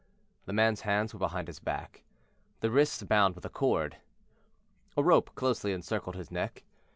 The man's hands were behind his back, the wrists bound with a cord. A rope closely encircled his neck.